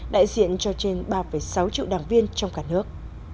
đại diện cho trên ba sáu triệu đảng viên trong cả nước